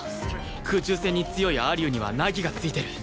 空中戦に強い蟻生には凪がついてる